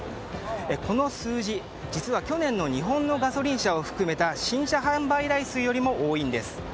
この数字、実は去年の日本のガソリン車を含めた新車販売台数よりも多いんです。